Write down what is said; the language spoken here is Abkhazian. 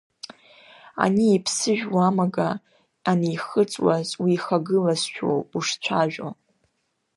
Ани иԥсыжә уамага анихыҵуаз уихагылазшәоуп ушцәажәо…